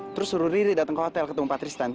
terus suruh riri dateng ke hotel ketemu patristan